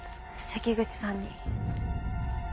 関口さんに。